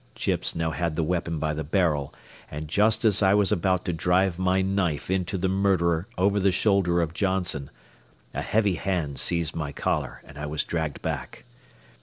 Chips now had the weapon by the barrel, and just as I was about to drive my knife into the murderer over the shoulder of Johnson, a heavy hand seized my collar and I was dragged back.